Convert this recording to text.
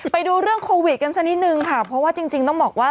ไปดูเรื่องโควิดกันสักนิดนึงค่ะเพราะว่าจริงต้องบอกว่า